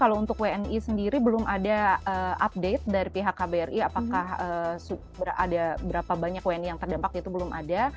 kalau untuk wni sendiri belum ada update dari pihak kbri apakah ada berapa banyak wni yang terdampak itu belum ada